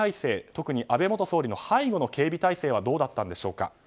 特に安倍元総理の背後の警備態勢はどうだったのでしょうか。